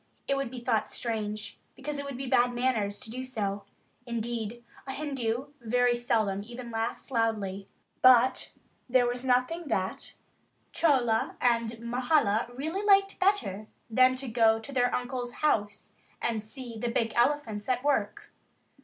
It would be thought strange because it would be bad manners to do so; indeed a Hindu very seldom even laughs loudly. But there was nothing that Chola and Mahala really liked better than to go to their uncle's house and see the big elephants at work.